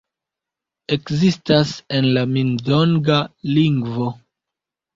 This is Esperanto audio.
Ekzistas en la Min-donga lingvo.